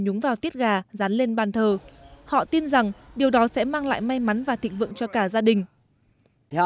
nhúng vào tiết gà rán lên bàn thờ họ tin rằng điều đó sẽ mang lại may mắn và thịnh vượng cho cả gia đình